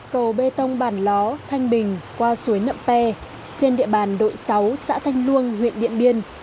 cầu bê tông bản ló thanh bình qua suối nậm pe trên địa bàn đội sáu xã thanh luông huyện điện biên